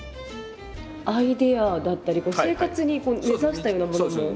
アイデアだったり生活に根ざしたようなものも。